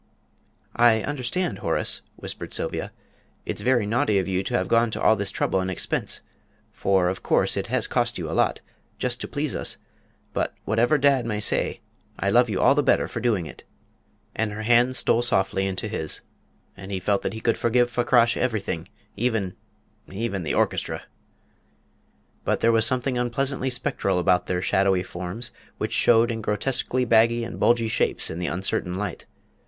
"I understand, Horace," whispered Sylvia, "it's very naughty of you to have gone to all this trouble and expense (for, of course, it has cost you a lot) just to please us; but, whatever, dad may say, I love you all the better for doing it!" And her hand stole softly into his, and he felt that he could forgive Fakrash everything, even even the orchestra. But there was something unpleasantly spectral about their shadowy forms, which showed in grotesquely baggy and bulgy shapes in the uncertain light.